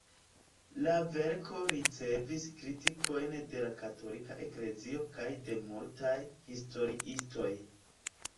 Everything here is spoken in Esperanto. La verko ricevis kritikojn de la Katolika Eklezio kaj de multaj historiistoj.